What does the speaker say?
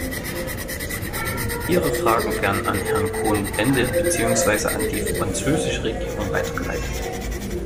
Ihre Fragen werden an Herrn Cohn-Bendit beziehungsweise an die französische Regierung weitergeleitet.